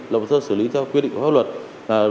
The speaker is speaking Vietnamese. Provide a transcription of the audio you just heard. lập sơ xử lý theo quyết định của pháp luật